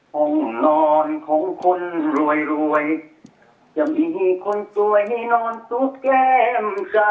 ของนอนของคนรวยจะมีคนสวยนอนสุดแก้มใส